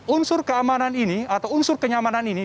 unsur keamanan ini atau unsur kenyamanan ini